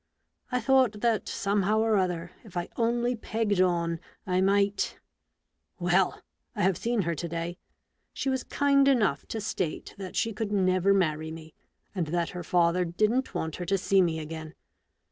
I thought, that somehow or other, if I only pegged on, I might — Well ! I have seen her to dav. She was kind enough to state that A STUDY IN MURDER, 101 she could never marry me, and that her father didn't want her to see me again.